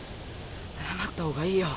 謝ったほうがいいよ。